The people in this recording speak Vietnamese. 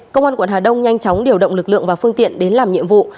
công an quận hà đông nhanh chóng điều động lực lượng và phương tiện đến làm nhiệm vụ